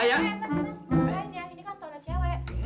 mas ini kan temennya cewek